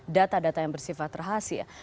data data yang bersifat rahasia